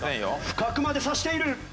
深くまで刺している。